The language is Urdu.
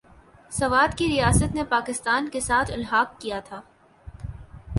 سوات کی ریاست نے پاکستان کے ساتھ الحاق کیا تھا ۔